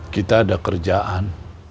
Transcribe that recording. kita ada kerjaan